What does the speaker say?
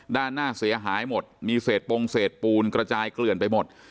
ด้านหน้าเสียหายหมดมีเศษปงเศษปูนกระจายเกลื่อนไปหมด